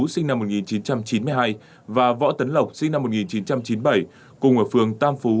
sinh năm một nghìn chín trăm chín mươi hai và võ tấn lộc sinh năm một nghìn chín trăm chín mươi bảy cùng ở phường tam phú